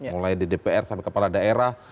mulai di dpr sampai kepala daerah